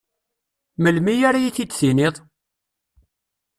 Melmi ara iyi-t-id-tiniḍ?